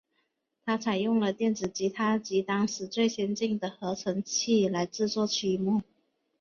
它采用了电子吉他及当时最先进的合成器来制作曲目。